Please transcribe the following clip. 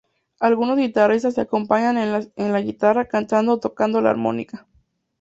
Algunos guitarristas se acompañan en la guitarra cantando o tocando la armónica.